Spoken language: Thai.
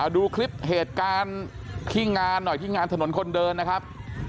ดูคลิปเหตุการณ์ที่งานหน่อยที่งานถนนคนเดินนะครับ